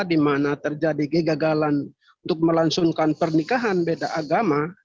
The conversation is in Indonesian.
di mana terjadi gagalan untuk melansungkan pernikahan beda agama